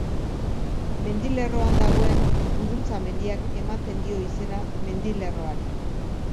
Mendilerroan dagoen Buruntza Mendiak ematen dio izena mendilerroari.